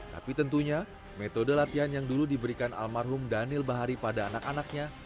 tapi tentunya metode latihan yang dulu diberikan almarhum daniel bahari pada anak anaknya